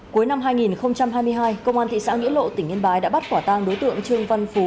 cuối năm hai nghìn hai mươi hai công an thị xã nghĩa lộ tỉnh yên bái đã bắt quả tang đối tượng trương văn phú